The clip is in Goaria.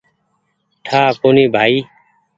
ٺآ ڪونيٚ ڀآئي